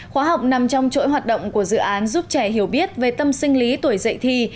khóa học nằm trong chuỗi hoạt động của dự án giúp trẻ hiểu biết về tâm sinh lý tuổi dạy thi